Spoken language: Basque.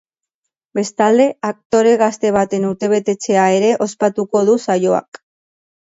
Bestalde, aktore gazte baten urtebetzea ere ospatuko du saioak.